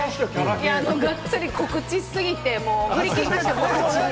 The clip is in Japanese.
がっつり告知すぎて、振り切りました。